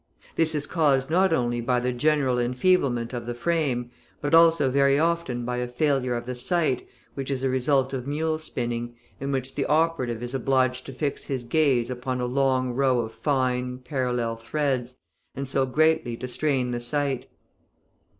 This is caused not only by the general enfeeblement of the frame, but also very often by a failure of the sight, which is a result of mule spinning, in which the operative is obliged to fix his gaze upon a long row of fine, parallel threads, and so greatly to strain the sight.